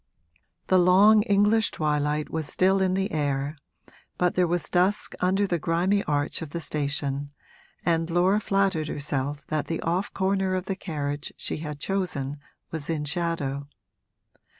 The long English twilight was still in the air, but there was dusk under the grimy arch of the station and Laura flattered herself that the off corner of the carriage she had chosen was in shadow.